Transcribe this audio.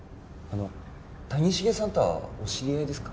谷繁さんとはお知り合いですか？